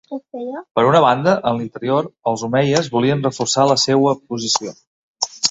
Per una banda, en l'interior, els omeies volien reforçar la seua posició.